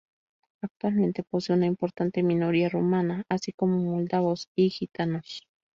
Actualmente posee una importante minoría rumana, así como moldavos y gitanos.